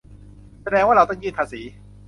แสดงว่าเราต้องยื่นภาษี